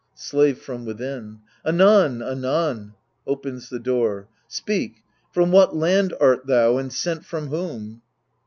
Slave {from within) Anon, anon ! [Opens the door. Speak, from what land art thou, and sent from whom